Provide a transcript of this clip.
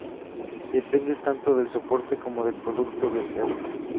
Depende tanto del soporte como del producto deseado.